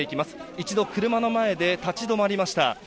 一度車の前で立ち止まりました。